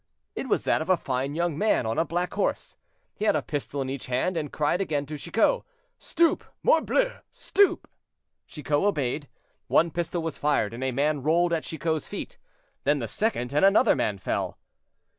It was that of a fine young man, on a black horse. He had a pistol in each hand, and cried again to Chicot, "Stoop! morbleu, stoop!" Chicot obeyed. One pistol was fired, and a man rolled at Chicot's feet; then the second, and another man fell.